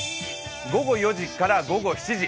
午後４時から午後７時。